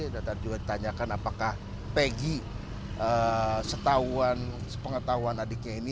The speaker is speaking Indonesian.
dan juga ditanyakan apakah peggy setahuan pengetahuan adiknya ini